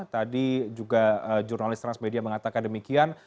tadi juga jurnalis transmedia mengatakan demikian